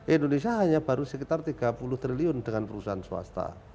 indonesia hanya baru sekitar tiga puluh triliun dengan perusahaan swasta